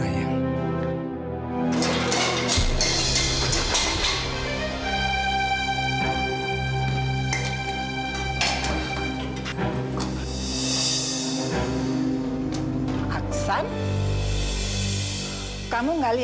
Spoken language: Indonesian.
ternyata sudah hasilnya angin